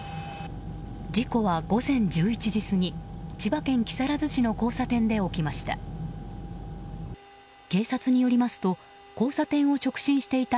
事故は午前１１時過ぎ千葉県木更津市の交差点で起きました。